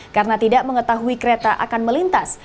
karena tidak mengetahui kereta akan melintas